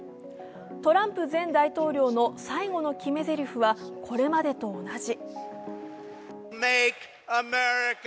トランプ前大統領の最後の決めぜりふはこれまでと同じ。